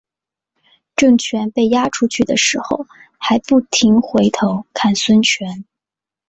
郑泉被押出去的时候还不停回头看孙权。